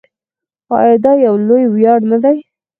آیا دا یو لوی ویاړ نه دی؟